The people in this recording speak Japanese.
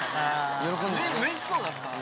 うれしそうだった。